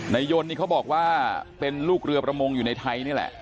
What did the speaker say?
ยนต์นี่เขาบอกว่าเป็นลูกเรือประมงอยู่ในไทยนี่แหละ